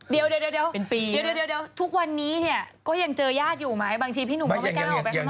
เดี๋ยวทุกวันนี้เนี่ยก็ยังเจอญาติอยู่ไหมบางทีพี่หนุ่มก็ไม่กล้าออกไปข้างนอก